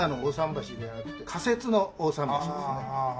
橋ではなくて仮設の大さん橋ですね。